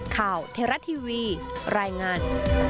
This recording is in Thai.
เทราะทีวีรายงาน